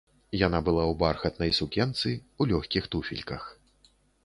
Яна была ў бархатнай сукенцы, у лёгкіх туфельках.